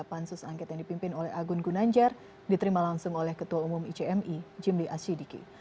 pansus angket yang dipimpin oleh agun gunanjar diterima langsung oleh ketua umum icmi jimli asyidiki